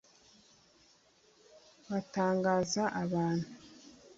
batangaza abantu.